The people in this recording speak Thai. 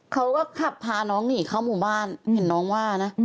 เขาก็ขับพาน้องหนีเข้าหมู่บ้านเห็นน้องว่านะ